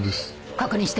確認して。